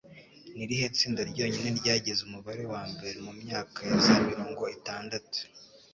Ni irihe tsinda ryonyine ryagize umubare wa mbere mu myaka ya za mirongo itandatu